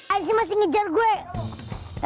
aduh aduh aduh